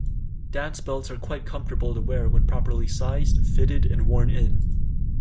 Dance belts are quite comfortable to wear when properly sized, fitted and worn-in.